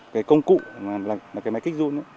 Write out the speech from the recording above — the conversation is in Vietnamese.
cái công cụ là cái máy kích run